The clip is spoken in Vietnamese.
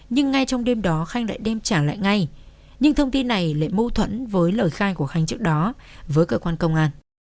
nhưng ngay trong đêm đó khanh lại đem trả lại ngay nhưng thông tin này lại mâu thuẫn với lời khai của khanh trước đó với cơ quan công an